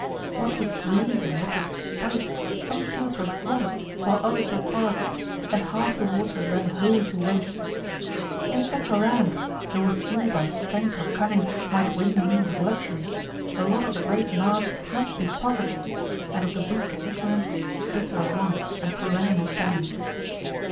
What with greed and what with spite some fields were flooded while others were parched, and half the water ran wholly to waste. In such a land, though a few by strength or cunning might win the means of luxury, the lot of the great mass must be poverty, and of the weak and ignorant bitter want and perennial famine.